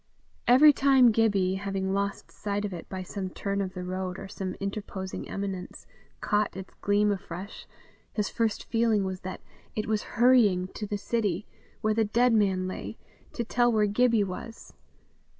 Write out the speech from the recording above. Every time Gibbie, having lost sight of it by some turn of the road or some interposing eminence, caught its gleam afresh, his first feeling was that it was hurrying to the city, where the dead man lay, to tell where Gibbie was.